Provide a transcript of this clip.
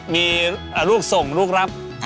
มีลูกส่งลูกรับ